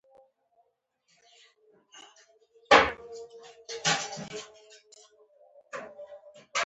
• د سازونو ږغ د موسیقۍ رنګینه نړۍ جوړوي.